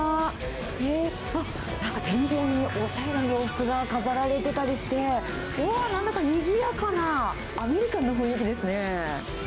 ええっ、あっ、なんか天井におしゃれな洋服が飾られてたりして、うわー、なんだかにぎやかな、アメリカンな雰囲気ですね。